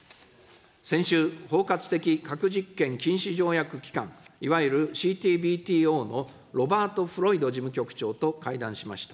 先週、包括的核実験禁止条約機関、いわゆるＣＴＢＴＯのロバート・フロイド事務局長と会談しました。